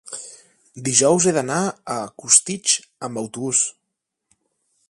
Dijous he d'anar a Costitx amb autobús.